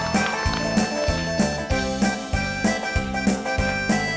ซาวเทคนิคตาคมพมยาว